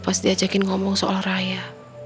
pas diajakin ngomong soal raya